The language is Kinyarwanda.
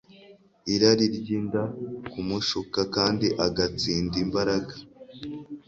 irari ryinda kumushuka kandi agatsinda imbaraga